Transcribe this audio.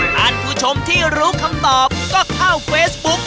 ท่านผู้ชมที่รู้คำตอบก็เข้าเฟซบุ๊ก